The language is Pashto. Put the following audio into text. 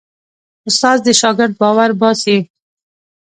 استاد د شاګرد باور باسي.